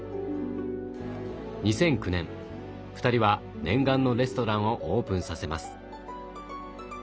２００９年２人は念願のレストランをオープンさせます。